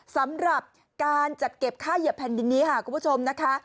สำหรับการจัดเก็บค่าเหยียบแผ่นดินนี้ค่ะคุณผู้ชมนะคะ